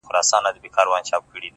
زما دردونه د دردونو ښوونځی غواړي!